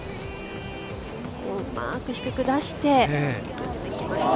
うまく低く出してのせてきました。